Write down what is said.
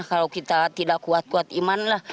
kalau kita tidak kuat kuat iman lah